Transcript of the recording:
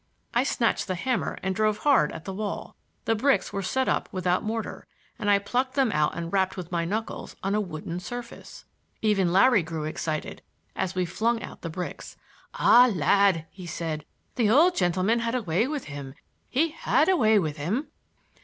I snatched the hammer and drove hard at the wall. The bricks were set up without mortar, and I plucked them out and rapped with my knuckles on a wooden surface. Even Larry grew excited as we flung out the bricks. "Ah, lad," he said, "the old gentleman had a way with him—he had a way with him!"